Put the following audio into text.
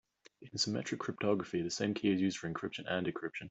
In symmetric cryptography the same key is used for encryption and decryption.